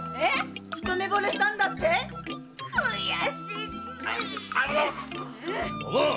一目惚れしたんだって⁉悔しい‼おぶん！